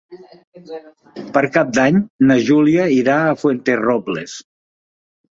Per Cap d'Any na Júlia irà a Fuenterrobles.